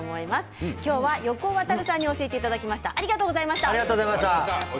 今日は横尾渉さんに教えていただきました。